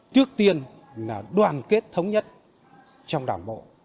trước tiên là đoàn kết thống nhất trong đảng bộ